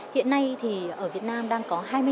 hiện nay ở việt nam đang có hai mươi năm